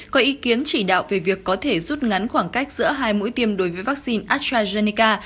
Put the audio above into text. có ý kiến chỉ đạo về việc có thể rút ngắn khoảng cách giữa hai mũi tiêm đối với vaccine astrazeneca